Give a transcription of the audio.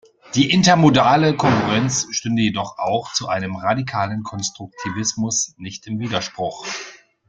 Die intermodale Kongruenz stünde jedoch auch zu einem radikalen Konstruktivismus nicht im Widerspruch.